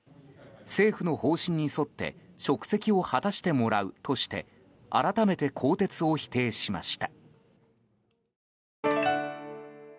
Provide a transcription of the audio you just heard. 政府の方針に沿って職責を果たしてもらうとして改めて更迭を否定しました。